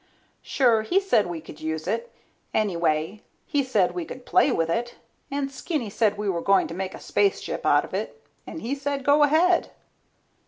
Sure he said we could use it. Anyway he said we could play with it, and Skinny said we were going to make a spaceship out of it, and he said go ahead.